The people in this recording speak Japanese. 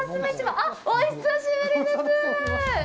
あっ、お久しぶりです！